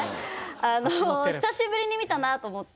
あの久しぶりに見たなと思って。